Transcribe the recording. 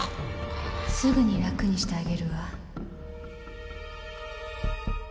すぐに楽にしてあげるわ